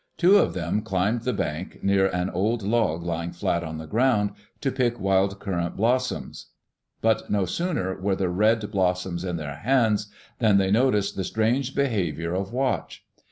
Two of them climbed the bank, near an old log lying flat on the ground, to pick wild currant blos soms. But no sooner were the red blossoms in their hands than they noticed the strange behavior of Watch.